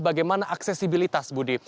bagaimana aksesibilitas budi